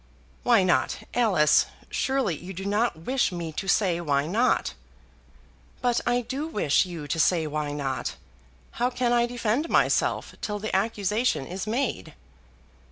"Why not, Alice? Surely you do not wish me to say why not." "But I do wish you to say why not. How can I defend myself till the accusation is made?"